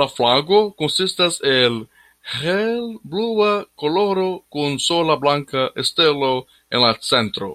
La flago konsistas el helblua koloro kun sola blanka stelo en la centro.